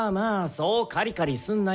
そうカリカリすんなよ